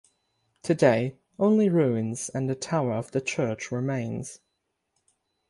Today only ruins and the tower of the church remains.